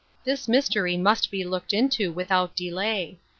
This mystery must be looked into without delay.